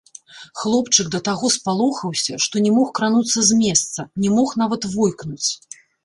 Хлопчык да таго спалохаўся, што не мог крануцца з месца, не мог нават войкнуць.